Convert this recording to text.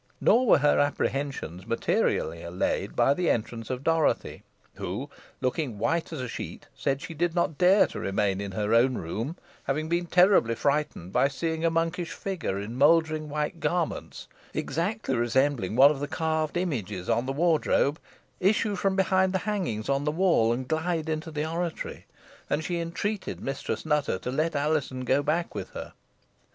Nor were her apprehensions materially allayed by the entrance of Dorothy, who, looking white as a sheet, said she did not dare to remain in her own room, having been terribly frightened, by seeing a monkish figure in mouldering white garments, exactly resembling one of the carved images on the wardrobe, issue from behind the hangings on the wall, and glide into the oratory, and she entreated Mistress Nutter to let Alizon go back with her.